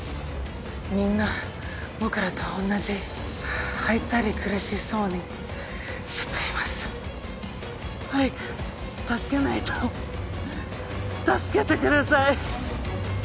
みんな僕らと同じ吐いたり苦しそうにしています早く助けないと助けてください